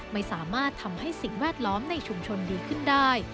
ไม่สามารถทำให้สิ่งแวดล้อมในชุมชนดีขึ้นได้